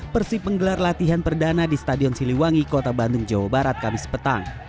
persib menggelar latihan perdana di stadion siliwangi kota bandung jawa barat kamis petang